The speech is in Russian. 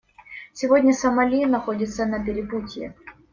Сегодня Сомали находится на перепутье.